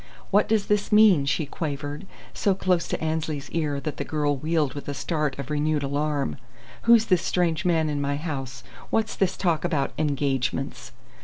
"What does this mean?" she quavered, so close to Annesley's ear that the girl wheeled with a start of renewed alarm. "Who's this strange man in my house? What's this talk about 'engagements'?"